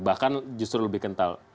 bahkan justru lebih kental